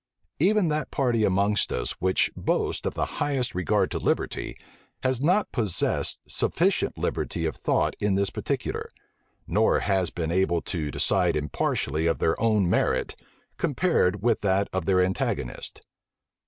Even that party amongst us which boasts of the highest regard to liberty, has not possessed sufficient liberty of thought in this particular; nor has been able to decide impartially of their own merit, compared with that of their antagonists.